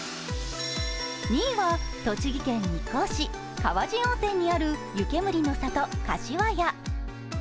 ２位は栃木県日光市川治温泉にある湯けむりの里柏屋。